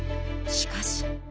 しかし。